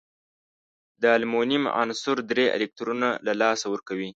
د المونیم عنصر درې الکترونونه له لاسه ورکوي.